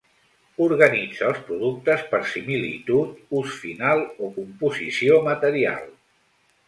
Organitza els productes per similitud, ús final o composició material.